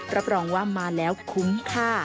รับรองว่ามาแล้วคุ้มค่า